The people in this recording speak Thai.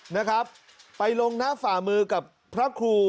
นะครับไปลงหน้าฝ่ามือกับพระครู